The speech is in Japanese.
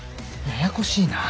ややこしいな。